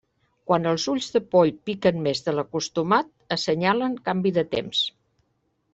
Quan els ulls de poll piquen més de l'acostumat, assenyalen canvi de temps.